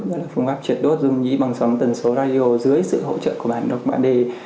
đó là phương pháp truyệt đốt dung nghĩ bằng sóng tần số radio dưới sự hỗ trợ của bản đồ ba d